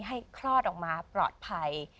คลอดออกมาปลอดภัย